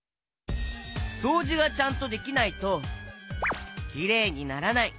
そうじがちゃんとできないときれいにならない！